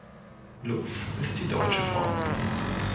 Lutz ist die deutsche Form.